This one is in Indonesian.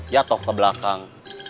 ya tau ke belakang